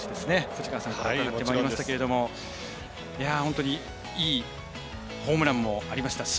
藤川さんからも伺いましたけども本当にいいホームランもありましたし。